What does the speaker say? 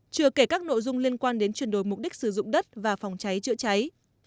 chưa kể các nội dung liên quan đến chuyển đổi mục đích sử dụng đất và phòng cháy chữa cháy